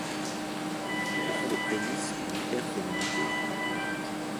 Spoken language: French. Ce sont les prémices d’une hyperféminité.